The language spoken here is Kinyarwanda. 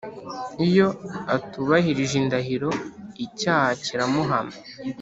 Iyo atubahirije indahiro, icyaha kiramuhama,